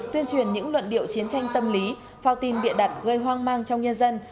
tuyên truyền những luận điệu chiến tranh tâm lý phao tin bịa đặt gây hoang mang trong nhân dân